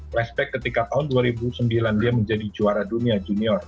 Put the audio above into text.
flashback ketika tahun dua ribu sembilan dia menjadi juara dunia junior